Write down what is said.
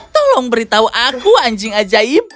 tolong beritahu aku anjing ajaib